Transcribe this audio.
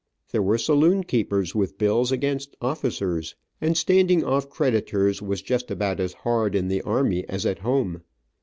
There were saloon keepers with bills against officers, and standing off creditors was just about as hard in the army as at home.